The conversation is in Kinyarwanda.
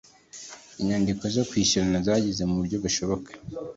Inyandiko zo kwishyurana zageze mu buryo bushoboka